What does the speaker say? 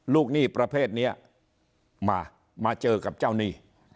หนี้ประเภทนี้มามาเจอกับเจ้าหนี้